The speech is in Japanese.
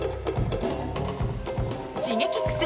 Ｓｈｉｇｅｋｉｘ